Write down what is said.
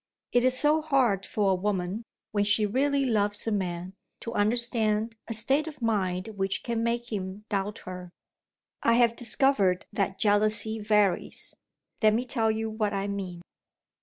It is so hard for a woman, when she really loves a man, to understand a state of mind which can make him doubt her. I have discovered that jealousy varies. Let me tell you what I mean.